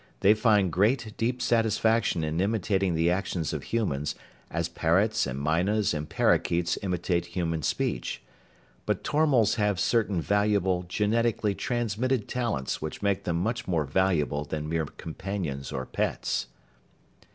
They find great, deep satisfaction in imitating the actions of humans, as parrots and mynahs and parakeets imitate human speech. But tormals have certain valuable, genetically transmitted talents which make them much more valuable than mere companions or pets.